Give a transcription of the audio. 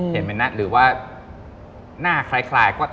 เห็นเป็นหน้าหรือว่าหน้าคล้าย